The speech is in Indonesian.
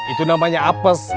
itu namanya apes